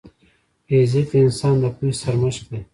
فزیک د انسان د پوهې سرمشق دی.